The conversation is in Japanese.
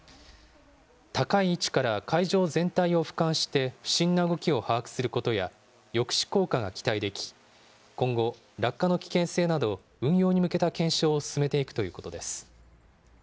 高い位置から会場全体をふかんして、不審な動きを把握することや、抑止効果が期待でき、今後、落下の危険性など運用に向けた検証を進めていくということです。